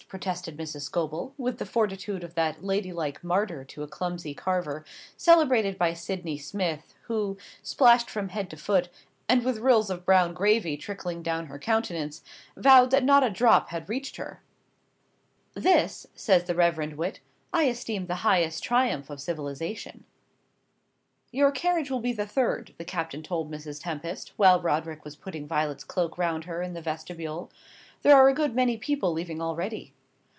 protested Mrs. Scobel, with the fortitude of that ladylike martyr to a clumsy carver, celebrated by Sydney Smith, who, splashed from head to foot, and with rills of brown gravy trickling down her countenance, vowed that not a drop had reached her. "This," says the reverend wit, "I esteem the highest triumph of civilisation." "Your carriage will be the third," the captain told Mrs. Tempest, while Roderick was putting Violet's cloak round her in the vestibule; "there are a good many people leaving already."